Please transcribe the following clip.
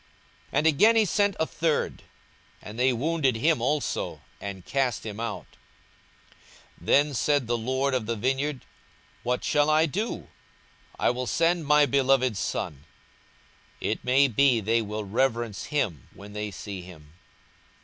42:020:012 And again he sent a third: and they wounded him also, and cast him out. 42:020:013 Then said the lord of the vineyard, What shall I do? I will send my beloved son: it may be they will reverence him when they see him.